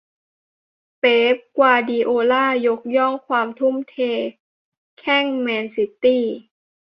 เป๊ป กวาร์ดิโอล่า ยกย่องความทุ่มเทแข้งแมนซิตี้